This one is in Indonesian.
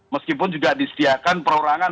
meskipun juga disediakan perorangan